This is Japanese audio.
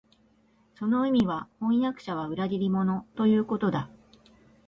その意味は、飜訳者は裏切り者、ということだ